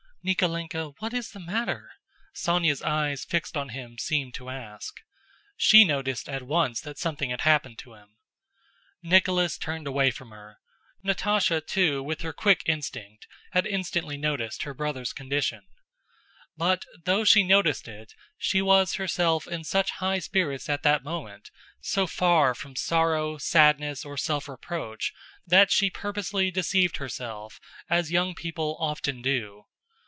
"Nikólenka, what is the matter?" Sónya's eyes fixed on him seemed to ask. She noticed at once that something had happened to him. Nicholas turned away from her. Natásha too, with her quick instinct, had instantly noticed her brother's condition. But, though she noticed it, she was herself in such high spirits at that moment, so far from sorrow, sadness, or self reproach, that she purposely deceived herself as young people often do.